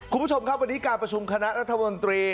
คุณผู้ชมครับวันนี้การประชุมคณะรัฐมนตรี